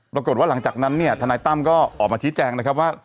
ปรากฏว่าหลังจากนั้นเนี่ยทนายตั้มก็ออกมาชี้แจงนะครับว่า